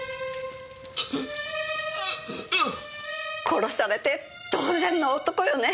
殺されて当然の男よね！